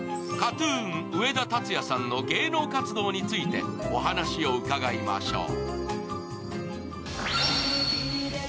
上田竜也さんの芸能活動についてお話を伺いましょう。